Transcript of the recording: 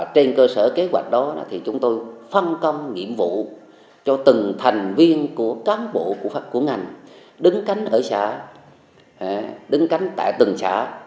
trên cơ sở kế hoạch đó thì chúng tôi phân công nhiệm vụ cho từng thành viên của cán bộ của ngành đứng cánh ở xã đứng cánh tại từng xã